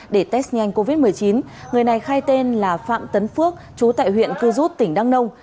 để test nhanh covid một mươi chín người này khai tên là phạm tấn phước chú tại huyện cư rút tỉnh đăng nông